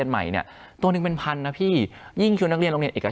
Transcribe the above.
สุดท้ายความเหลือมล้ำมันก็ยังอยู่ดีเพราะฉะนั้นสู้ให้คุณเปิดเซรีไปเลยดีกว่า